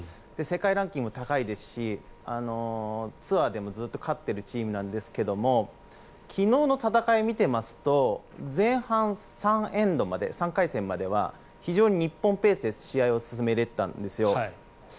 世界ランキングも高いですしツアーでもずっと勝ってるチームなんですけども昨日の戦いを見ていますと前半３エンドまで３回戦まではすごい日本ペースで試合を進められていたんです。